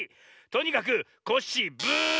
とにかくコッシーブー！